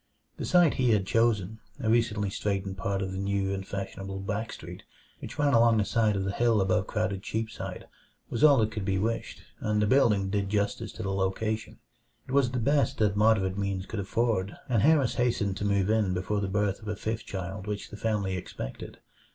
The site he had chosen a recently straightened part of the new and fashionable Back Street, which ran along the side of the hill above crowded Cheapside was all that could be wished, and the building did justice to the location. It was the best that moderate means could afford, and Harris hastened to move in before the birth of a fifth child which the family expected.